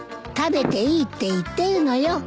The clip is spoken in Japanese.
食べていいって言ってるのよ。